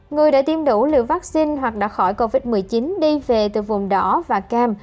người đã tiêm đủ liều vaccine hoặc đã khỏi covid một mươi chín đi về từ vùng đỏ và cam